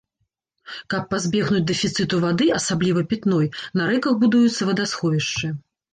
Каб пазбегнуць дэфіцыту вады, асабліва пітной, на рэках будуюцца вадасховішчы.